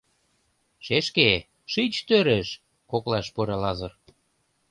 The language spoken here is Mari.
— Шешке, шич тӧрыш, — коклаш пура Лазыр.